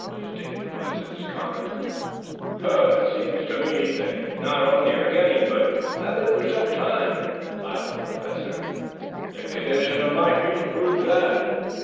was Dick Munson's comment. "Seems to me they not only are getting, but have been for some time," laughed the Professor. "The condition of my feet proves that."